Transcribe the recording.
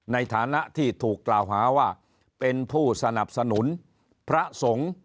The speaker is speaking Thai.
ในฐานะที่ถูกกล่าวหาว่าเป็นผู้สนับสนุนพระสงฆ์